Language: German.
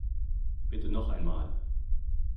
Bitte noch einmal!